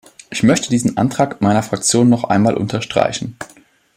Ich möchte diesen Antrag meiner Fraktion noch einmal unterstreichen.